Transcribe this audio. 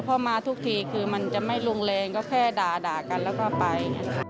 พอมาทุกทีคือมันจะไม่ลงแรงก็แค่ด่ากันแล้วก็ไป